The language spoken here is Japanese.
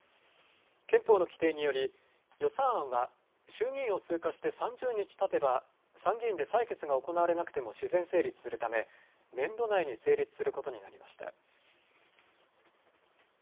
憲法の規定により予算案は衆議院を通過して３０日たてば参議院で採決が行われなくても自然成立するため年度内に成立することになりました。